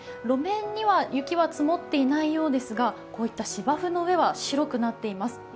路面には雪は積もっていないようですがこういった芝生の上は白くなっています。